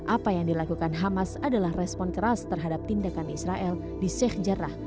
apa yang dilakukan hamas adalah respon keras terhadap tindakan israel di sheikh jarrah